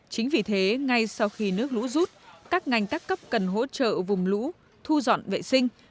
chính vì thế ngay sau khi nước lũ rút các ngành các cấp cần hỗ trợ vùng lũ thu dọn vệ sinh